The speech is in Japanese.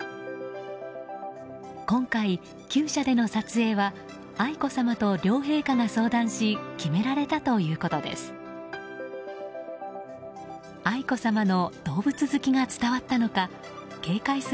今回、厩舎での撮影は愛子さまと両陛下が相談し決められたということです。